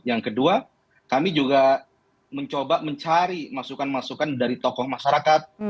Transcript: yang kedua kami juga mencoba mencari masukan masukan dari tokoh masyarakat